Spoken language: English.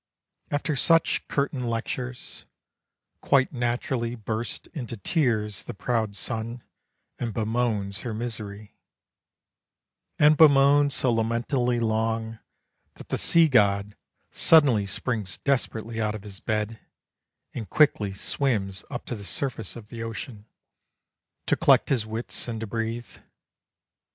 After such curtain lectures, Quite naturally bursts into tears The proud sun, and bemoans her misery, And bemoans so lamentably long, that the sea god Suddenly springs desperately out of his bed, And quickly swims up to the surface of the ocean, To collect his wits and to breathe."